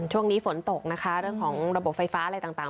ช่วงนี้ฝนตกนะคะเรื่องของระบบไฟฟ้าอะไรต่าง